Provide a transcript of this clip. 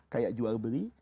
kayak jual beli